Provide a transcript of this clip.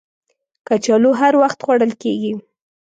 کچالو هر وخت خوړل کېږي